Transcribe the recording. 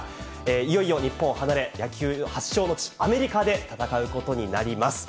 いよいよ日本を離れ、野球発祥の地、アメリカで戦うことになります。